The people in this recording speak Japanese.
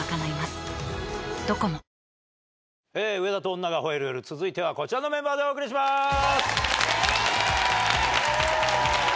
『上田と女が吠える夜』続いてはこちらのメンバーでお送りします。